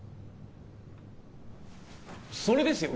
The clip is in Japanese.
それですよ